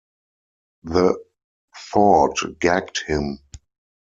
The thought gagged him.